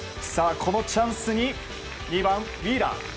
このチャンスに２番ウィーラー。